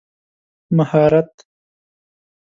مهارت